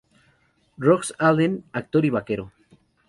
Rex Allen, actor y vaquero